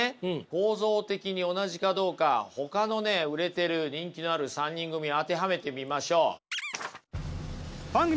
構造的に同じかどうかほかのね売れてる人気のある３人組を当てはめてみましょう。